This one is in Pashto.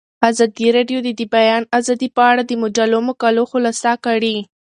ازادي راډیو د د بیان آزادي په اړه د مجلو مقالو خلاصه کړې.